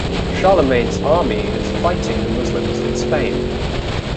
Charlemagne's army is fighting the Muslims in Spain.